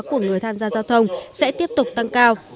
của người tham gia giao thông sẽ tiếp tục tăng cao